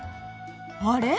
あれ？